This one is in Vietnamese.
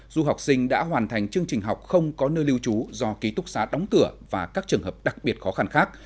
du học sinh đã hoàn thành chương trình học không có nơi lưu trú do ký túc xá đóng cửa và các trường hợp đặc biệt khó khăn khác